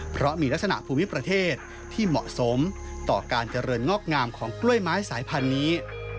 เพราะมีลักษณะภูมิประเทศที่เหมาะสมต่อการเจริญงอกงามของกล้วยไม้สายพันธุ์นี้